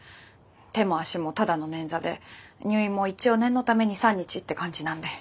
手も足もただの捻挫で入院も一応念のため２３日って感じなんで。